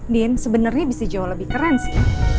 din sebenarnya bisa jauh lebih keren sih